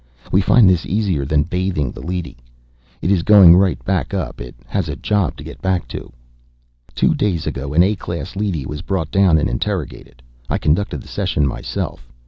We find this easier than bathing the leady. It is going right back up; it has a job to get back to. "Two days ago, an A class leady was brought down and interrogated. I conducted the session myself.